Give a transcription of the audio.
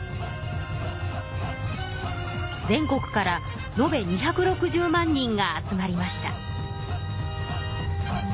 全国からのべ２６０万人が集まりました。